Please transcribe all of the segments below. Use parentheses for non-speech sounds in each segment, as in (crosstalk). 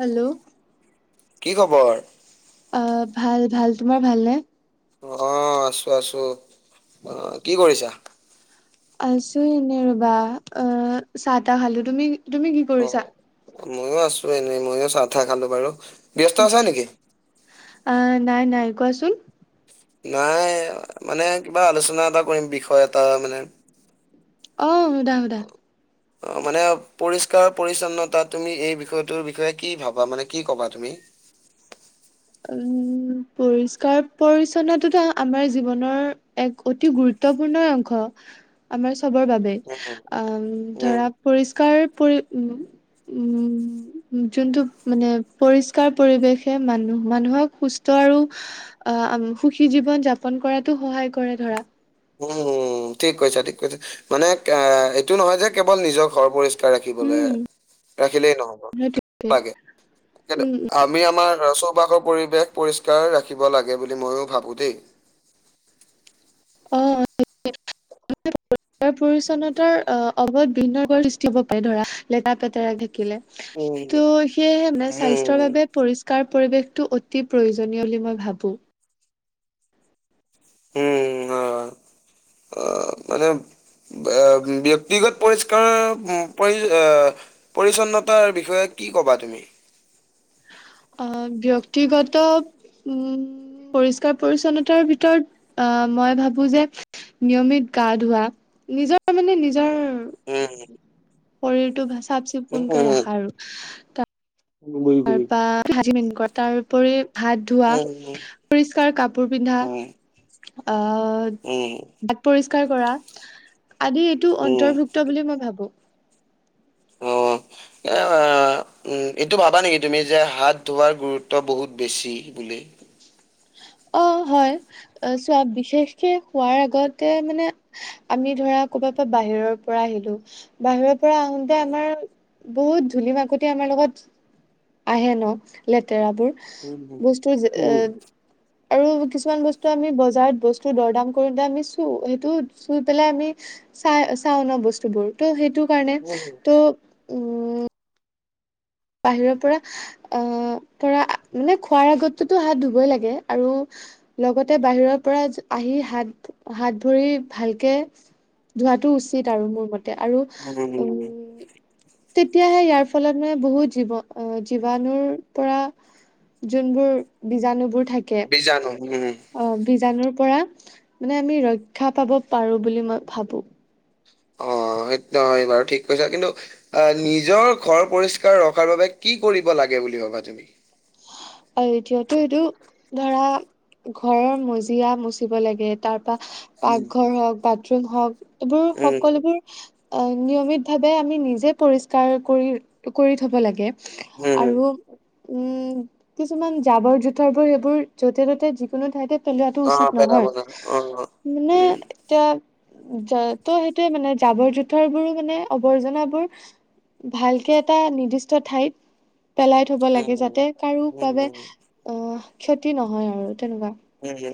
Hello কি খবৰ? অ, ভাল - ভাল তোমাৰ ভালনে? অ, আছো - আছো আহ কি কৰিছা? আছো এনে ৰবা আহ, চাহ তাহ খালো তুমি - তুমি কি কৰিছা? মইয়ো আছো এনেই ময়ো চাহ চাহ খালো বাৰু ব্যস্ত আছা নেকি। অ, নাই - নাই কোৱাচোন। নাই মানে কিবা আলোচনা এটা কৰিম বিষয় এটা মানে অহ, সুধা - সুধা। অ, মানে পৰিষ্কাৰ পৰিচ্ছন্নতা তুমি এই বিষয়টোৰ বিষয়ে কি ভাবা মানে কি ক'বা তুমি? (inaudible) উম, পৰিষ্কাৰ পৰি্ছন্নতত আমাৰ জীৱনৰ এক অতি গুৰুত্বপূৰ্ণ অংশ। আমাৰ চবৰ বাবে উম, উম ধৰা পৰিষ্কাৰ পৰি উম। উম, যোনটো মানে পৰিষ্কাৰ পৰিৱেশে মানুহ মানুহক সুস্থ আৰু আহ সুখী জীৱন যাপন কৰাতো সহায় কৰে ধৰা। উম- উম ঠিক কৈছা- ঠিক কৈছে মানে এ এইটো নহয় যে কেৱল নিজৰ ঘৰ ৰাখিবলৈ উম ৰাখিলেই নহব সেইটোৱে লাগে কিন্তু উম উম আমি আমাৰ চৌপাশৰ পৰিৱেশ পৰিষ্কাৰ ৰাখিব লাগে বুলি ময়ো ভাবো দেই (unintelligible) পৰিষ্কাৰৰ পৰিচ্ছন্নতাৰ অ, অবধ ভিন্ন ৰোগৰ সৃষ্টি হব পাৰে ধৰা লেতেৰা পেতেৰাকে থাকিলে। ত, উম, সেয়েহে মানে উম, স্বাস্থ্যৰ বাবে পৰিষ্কাৰ পৰিৱেশটো অতি প্ৰয়োজনীয় বুলি মই ভাবো। উম, অ - অ মানে ব্যক্তিগত পৰিষ্কাৰ পৰি পৰিচ্ছন্নতাৰ বিষয়ে কি ক'বা তুমি? অ ব্যক্তিগত উ পৰিষ্কাৰ পৰি্ছন্নতাৰ ভিতৰত আহ মই ভাবো যে নিয়মিত গা ধোৱা নিজৰ মানে নিজৰ উম শৰীৰটো চাফ উম, চিকুণকে উম, ৰাখা আৰু ত বুজি- বুজি। তাৰপৰা ভাজি (unintelligible) কৰা তাৰপৰি হাত ধোৱা উম, পৰিস্কাৰ কাপোৰ পিন্ধা। উম, অ উম, দাঁত পৰি কৰা আদি এইটো উম, অন্তৰ্ভুক্ত বুলি মই ভাবো অঁ। এ উ এইটো ভাবা নেকি তুমি যে হাত ধোৱাৰ গুৰুত্ব বহুত বেছি বুলি (unintelligible) অ হয় চোৱা বিশেষকে খোৱাৰ আগতে মানে আমি ধৰা ক'ব পৰা বাহিৰৰ পৰা আহিলো বাহিৰৰ পৰা আহোতে আমাৰ বহুত ধূলি মাকতি আমাৰ লগত আহে ন লেতেৰাবোৰ উম, বস্তুৰ যে এ উম, আৰু কিছুমান বস্তু আমি বজাৰত বস্তু দৰদাম কৰোতে আমি চু সেইটো চুই পেলাই আমি চাই চাওঁ নহ বস্তুবোৰ ত' সেইটো কাৰণে উম, ত' উম বাহিৰৰ পৰা আহ পৰা মানে খোৱাৰ আগতেতো হাত ধুবই লাগে আৰু লগতে বাহিৰৰ পৰা আহি হাত হাত ভৰি ভালকে ধোৱাটো উচিত আৰু মোৰ মতে আৰু উম তেতিয়াহে ইয়াৰ ফলত মানে বহুত জীৱ জীৱাণুৰ পৰা যোনবোৰ বীজাণুবোৰ থাকে বীজাণু ওহো অ বীজাণুৰ পৰা মানে আমি ৰক্ষা পাব পাৰো বুলি মই ভাবো অ অ সেইটো হয় বাৰু ঠিক কৈছা কিন্তু অ নিজৰ ঘৰ পৰিষ্কাৰ ৰখাৰ বাবে কি কৰিব লাগে বুলি ভাবা তুমি অ এতিয়াটো এইটো ধৰা ঘৰৰ মজিয়া মচিব লাগে তাৰ পা উম। পাকঘৰ হওক বাথৰুম হওক এইবোৰ উম, সকলোবোৰ অ নিয়মিত ভাৱে আমি নিজে পৰিষ্কাৰ কৰি- কৰি থব লাগে উম, উম, আৰু উম কিছুমান জাবৰ জোথৰ বোৰ সেইবোৰ যতে ত'তে যিকোনো ঠাইতে পেলোৱাটো অ', উচিত পেলাব নহয় না অ', মানে উম। এতিয়া যা ত সেইটোয়ে মানে জাবৰ জোথৰবোৰ মানে আৱৰ্জনাবোৰ ভালকে এটা নিৰ্দিষ্ট ঠাইত পেলাই থব লাগে উম, যাতে কাৰো উম, বাবে অ ক্ষতি নহয় আৰু। তেনেকুৱা উম উ।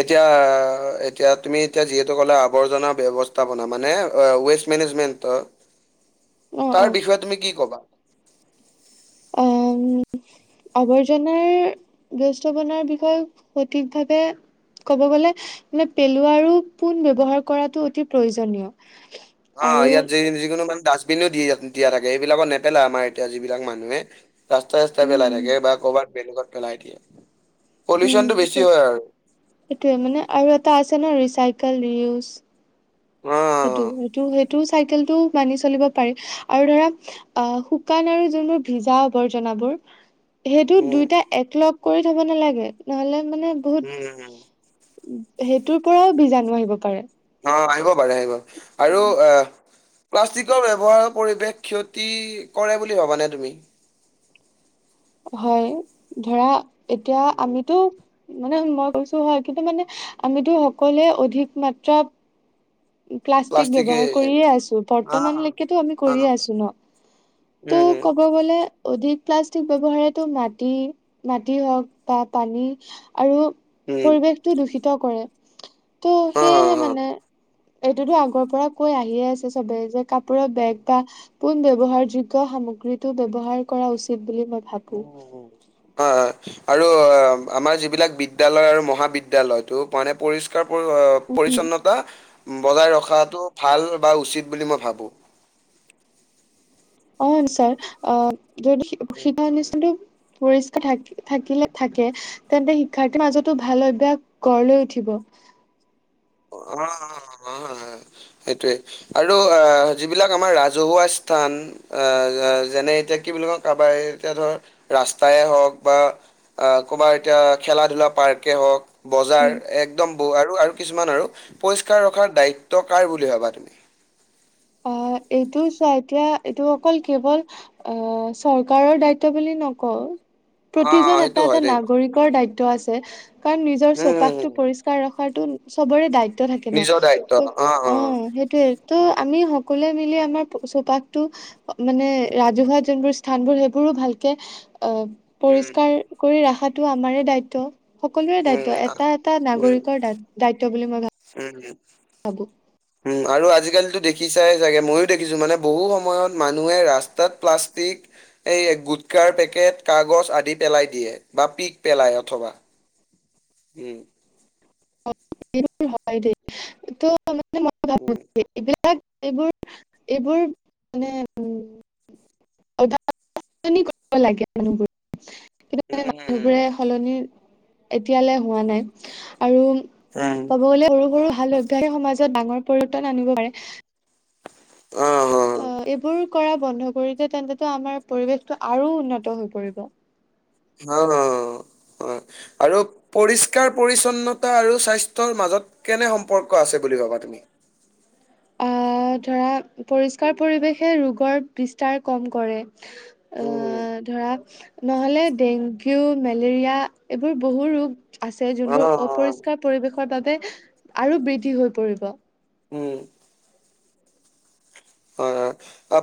এতিয়া- এতিয়া তুমি এতিয়া যিহেতু কলা আৱৰ্জনা ব্যবস্থাপনা মানে ৱে মেনেমেন্টত অ অ তাৰ বিষয়ে তুমি কি ক'বা? আহ (inaudible) আৱৰ্জনাৰ ব্যস্তৱনাৰ বিষয়ে সঠিকভাৱে ক'ব গ'লে মানে, পেলোৱাৰো পোন ব্যৱহাৰ কৰাটো অতি প্ৰয়োজনীয়। অ', আৰু ইয়াত যেহি যিকোনো মান ডাষ্টবিনো দি দিয়া থাকে। এইবিলাকত নেপেলাই আমাৰ এতিয়া যিবিলাক মানুহে। ৰাস্তা চস্তাই উম পেলাই হম থাকে বা ক'ৰবাত বেলেগত পেলাই দিয়ে। উম, পলিউচনটো বেছি সেইটোয়ে, হয় আৰু। সেইটোয়ে মানে আৰু এটা আছে আছে নহয় ৰিচাইকেল, ৰিউজ অ সেইটো, সেইটো, সেইটো চাইকেলটো মানি চলিব পাৰি আৰু ধৰা আহ শুকান আৰু কোনো ভিজা আৱৰ্জনাবোৰ সেইটো উম দুইটা একলগ কৰি থব নালাগে, নহলে মানে বহুত উম সেইটোৰ পৰাও বীজাণু আহিব পাৰে। অ', আহিব পাৰে আহিব, আৰু এ' প্লাষ্টিকৰ ব্যৱহাৰৰ পৰিৱেশ ক্ষতি কৰে বুলি ভাবানে তুমি? হয় ধৰা, এতিয়া উম, আমিতো মানে উম মই কৈছো হয়, কিন্তু মানে, আমিতো সকলোৱে অধিক মাত্ৰা প্লাষ্টিক প্লাষ্টিকে ব্যৱহাৰ কৰিয়ে আছো, অ বৰ্তমানলৈকেতো আমি অ কৰিয়ে আছো ন'। ত', উম ক'ব গ'লে অধিক প্লাষ্টিক ব্যৱহাৰেটো মাটি, মাটি হওক বা পানী আৰু উম পৰিৱেশটো দূষিত কৰে, ত', অ অ সেয়েহে মানে এইটোতো আগৰ পৰা কৈ আহিয়ে আছে চবেই যে, কাপোৰৰ বেগ বা পোন ব্যৱহাৰযোগ্য সামগ্ৰীটো ব্যৱহাৰ কৰা উচিত। বুলি মই ভাবো। উম, আ আৰু আমাৰ যিবিলাক বিদ্যয়ালয় আৰু মহাবিদ্যালয়টো মানে পৰিষ্কাৰ পৰিচ্ছন্নতা বজাই ৰখাটো ভাল বা উচিত বুলি মই ভাবো। অ', ছাৰ, অ', যদি শিপ-শিপা নিচিনাটো পৰিষ্কাৰ থাক-থাকিলে থাকে, তেন্তে শিক্ষাৰ্থীৰ মাজতো ভাল অভ্যাস গঢ় লৈ উঠিব। (inaudible) অ', অ', অ', সেইটোৱে আৰু এ', যিবিলাক আমাৰ ৰাজহুৱা স্থান উম, এ, যেনে এতিয়া কি বুলি কওঁ, কাৰোবাৰ এতিয়া ধৰ ৰাস্তাই হওঁক বা অ', ক'বাৰ এতিয়া খেলা ধলা পাৰ্ক হওঁক, বজাৰ উম একদম ব'ৰ। আৰু আৰু কিছুমান আৰু পৰিষ্কাৰ ৰখা দায়িত্ব কাৰ বুলি ভাবা তুমি? আহ এইটো চোৱা, এতিয়া এইটো অকল কেৱল, অ', চৰকাৰৰ দায়িত্ব বুলি নকওঁ। অ প্ৰতিজন এটা সেইটো এটা হয় দেই নাগৰিকৰ দায়িত্ব আছে। কাৰণ নিজৰ উম উম চৌপাশটো উম পৰিষ্কাৰ ৰখ সেইটো চবৰে দায়িত্ব থাকে ন। ত', অ', সেইটোৱেইটো আমি সকলোৱে মিলি আমাৰ চৌপাশটো, মানে ৰাজহুৱা যোনবোৰ স্থানবোৰ, সেইবোৰো ভাল কে অ', উম পৰিষ্কাৰ কৰি ৰাখাটো আমাৰে দায়িত্ব। সকলোৰে উম দায়িত্ব। এটা এটা উম নাগৰিকৰ দান। দায়িত্ব বুলি মই ভাবো। উম উম, আৰু আজিকালিতো দেখি দেখিছাই চাগে ময়ো দেখিছো। মানে, বহু সময়ত মানুহে ৰাস্তাত প্লাষ্টিক এই গুটকাৰ পেকেট কাগজ আদি পেলাই দিয়ে বা পিক পেলাই অথবা। উম। এইবোৰ হয় দেই ত মানে মই ভাবো উম, দেই এইবিলাক- তাক, এইবোৰ, এইবোৰ মানে উম লাগে মানু্হ বোৰ। কিন্তু মানে, মানুহবোৰে সলনি এতিয়ালৈ হোৱা নাই আৰু উম, উম, উম, কবলে গ'লে সৰু সৰু ভাল অভ্যাসে সমাজত ডাঙৰ পৰিৱৰ্তন আনিব পাৰে। অ এইবোৰ কৰা বন্ধ কৰি দিয়ে তেন্তটো আমাৰ পৰিৱেশটো আৰু উন্নত হৈ পৰিব। হা অ। হয় আৰু পৰিস্কাৰ পৰিচ্ছন্নতা আৰু স্বাস্থ্যৰ মাজত কেনে সম্পৰ্ক আছে বুল বুলি ভাবা তুমি? আহ ধৰা পৰিষ্কাৰ পৰিৱেশে ৰোগৰ বিস্তাৰ কম কৰে। আ উম, ধৰা নহলে ডেংগু মেলেৰিয়া এইবোৰ বহু ৰোগ আছে যোনবোৰ অ', অপৰিষ্কাৰ পৰিৱেশৰ বাবে আৰু বৃদ্ধি হৈ পৰিব উম হয় হয়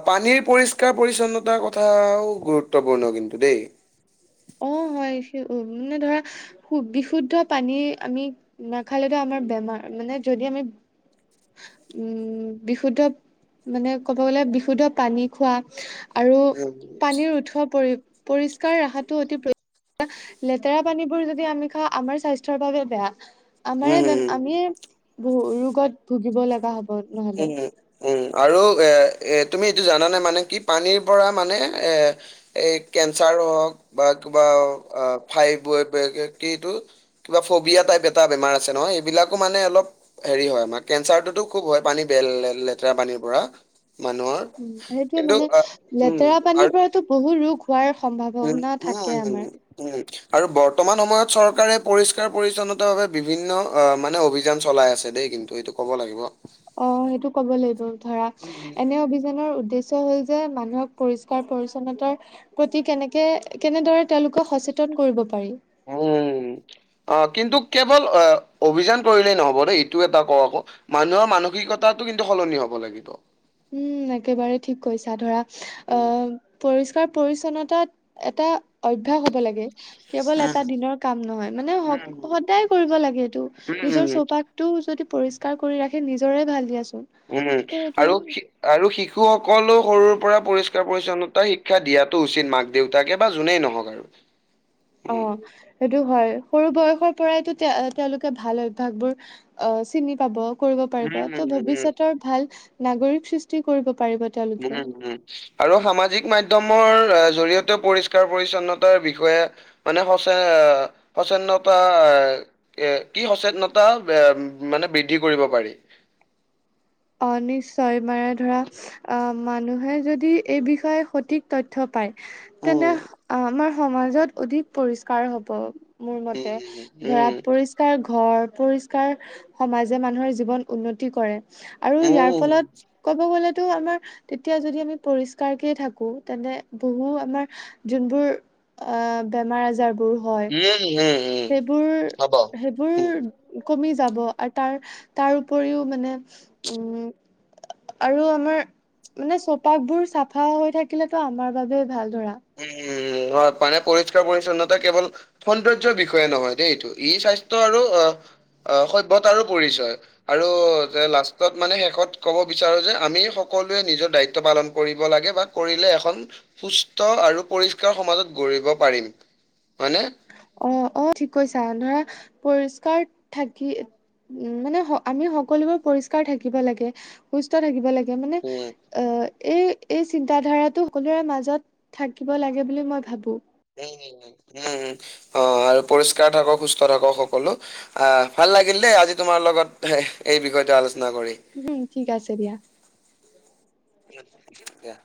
পানীৰ পৰিষ্কাৰ পৰিচ্ছন্নতাৰ কথাও গুৰুত্বপূৰ্ণ কিন্তু দেই অ (inaudible) হয় উ মানে ধৰা বিশুদ্ধ পানী আমি নাখালেতো আমাৰ বেমাৰ মানে যদি আমি উম বিশুদ্ধ মানে ক'ব গ'লে বিশুদ্ধ পানী খোৱা আৰু উম। পানীৰ উঠোৱা পৰি পৰিষ্কাৰ ৰাখাটো অতি প্ৰ লেতেৰা পানীবোৰ যদি আমি খাওঁ আমাৰ স্বাস্থ্যৰ বাবে বেয়া আমাৰে ব (unintelligible) উম, আমি ব (unintelligible) ৰোগত ভুগিব লগা হব নহ'লে। উম উম আৰু এ এ তুমি এইটো জানানে মানে কি পানীৰ পৰা মানে এ এ কেঞ্চাৰ হ'ক বা (unintelligible) ফাইব (unintelligible) কি এইটো কিবা ফবিয়া টাইপ টা বেমাৰ আছে নহয় এইবিলাকো মানে অলপ হেৰি হয় আমাৰ কেঞ্চাৰটোতো খুব হয় পানী বেল লেতেৰা পানীৰ পৰা মানুহৰ উম সেইটোৱে কিন্তু মানে উম লেতেৰা পানীৰ পৰাতো আৰু বহু ৰোগ হোৱাৰ উ সম্ভাৱনা উ থাকে উ আমাৰ। উম আৰু বৰ্তমান সময়ত চৰকাৰে পৰিষ্কাৰ পৰিচ্ছন্নতা ভাৱে বিভিন্ন অ মানে অভিযান চলাই আছে দেই কিন্তু এইটো ক'ব লাগিব অ সেইটো ক'ব লাগিব ধৰা এনে অভিযানৰ উদ্দেশ্য হল যে মানুহক পৰিষ্কাৰ পৰিচ্ছন্নতাৰ প্ৰতি কেনেকে কেনেদৰে তেওঁলোকৰ সচেতন কৰিব পাৰি উম অ কিন্তু কেৱল অ অভিযান কৰিলেই নহব দেই এইটো এটা ক আকৌ মানুহৰ মানসিকতা কিন্তু সলনি হ'ব লাগিব উম একেবাৰে ঠিক কৈছা ধৰা অ উম পৰিষ্ পৰি্ছন্নতাত এটা অভ্যাস হ'ব লাগে কেৱল উম এটা দিনৰ কাম নহয় মানে সদায় কৰিব লাগে এইটো উম নিজৰ চৌপাশতটো যদি পৰিষ্কাৰ কৰি ৰাখে নিজৰে ভাল দিয়াছোন উম আৰু আৰু শিশু সকললে সৰুৰ পৰা পৰিষ্কাৰ পৰি্ছন্নতা শিক্ষা দিয়াটো উচিত মাক দেউতাকে বা যোনেই নহওক আৰু (inaudible) অ সেইটো হয় সৰু বয়সৰ পৰাইতো তেওঁ তেওঁলোকে ভাল অভ্যাসবোৰ চিনি পাব কৰিব উম পাৰিব ত' উম ভৱিষ্যতৰ ভাল নাগৰিক সৃষ্টি কৰিব পাৰিব উম তেওঁলোকে হম আৰু সামাজিক মাধ্যম জৰিয়তে পৰিষ্কাৰ পৰিছন্নতাৰ বিষয়ে মানে স (unintelligible) সচেনত এ এ কি সচেতনতা মানে বৃদ্ধি কৰিব পাৰি (inaudible) অ নিশ্চয় মানে ধৰা অ মানুহে যদি এই বিষয়ে সঠিক তথ্য পাই তেনে উম আমাৰ সমাজত অধিক পৰিষ্কাৰ হব মোৰ মতে উম ধৰা উম পৰিষ্কাৰ ঘৰ পৰিস্কাৰ সমাজে মানুহৰ জীৱন উন্নতি কৰে আৰু উম উম উম ইয়াৰ ফলত ক'ব গ'লে টো আমাৰ তেতিয়া যদি আমি পৰিষ্কাৰকে থাকো তেন্তে বহু আমাৰ যোনবোৰ আ বেমাৰ আজাৰ হয় উম উম উম সেইবোৰ হ'ব উম সেইবোৰ কমি যাব আৰু তাৰ তাৰ উপৰিও মানে উম আৰু আমাৰ মানে চৌপাশ বোৰ চাফা হৈ থাকিলেতো আমাৰ বাবে ভাল ধৰা উম হয় মানে পৰিষ্কাৰ পৰিচ্ছন্নতা কেৱল সৌন্দৰ্যৰ বিষয়ে নহয় দেই এইটো ই স্বাস্থ্য আৰু অ অ সভ্যতাৰো পৰিচয় আৰু যে লাষ্টত মানে শেষত ক'ব বিচাৰো আমি সকলোৱে নিজৰ দায়িত্ব পালন কৰিব লাগে বা কৰিলে এখন সুস্ স্থ আৰু পৰিষ্কাৰ সমাজত গঢ়িব পাৰিম হয়নে অ অ ঠিক কৈছা ধৰা পৰিষ্কাৰ থাকি উ মানে আমি সকলোবোৰ পৰিষ্কাৰ থাকিব লাগে সুস্থ থাকিব লাগে মানে উম অ এই এই চিন্তাধাৰাটো সকলোৰে মাজত থাকিব লাগে বুলি মই ভাবোঁ উম উম উম উম উম অ আৰু পৰিষ্কাৰ থাকক সুস্থ থাকক সকলো আহ ভাল ভাল লাগিল দেই আজি তোমাৰ লগত হ এই বিষয়টো আলো উ হুম, ঠিক আছে দিয়া। দিয়া।